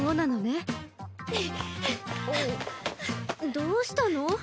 どうしたの？